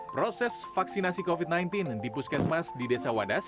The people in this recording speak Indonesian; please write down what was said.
proses vaksinasi covid sembilan belas di puskesmas di desa wadas